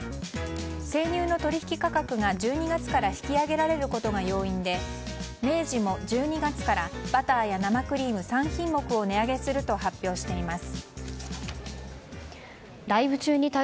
生乳の取引価格が１２月から引き上げられることが要因で明治も１２月からバターや生クリーム３品目を値上げすると発表しています。